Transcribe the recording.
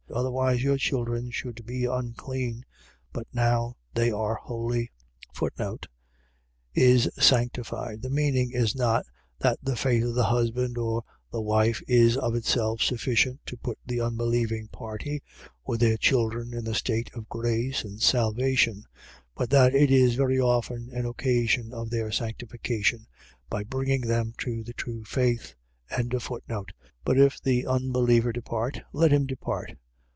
Otherwise your children should be unclean: but now they are holy. Is sanctified. . .The meaning is not, that the faith of the husband or the wife is of itself sufficient to put the unbelieving party, or their children, in the state of grace and salvation; but that it is very often an occasion of their sanctification, by bringing them to the true faith. 7:15. But if the unbeliever depart, let him depart.